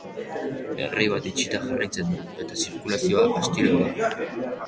Errei bat itxita jarraitzen du eta zirkulazioa astiro doa.